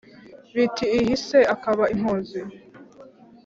Biti ihi se akaba impunzi